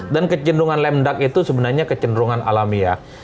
dan kecenderungan lemdak itu sebenarnya kecenderungan alamiah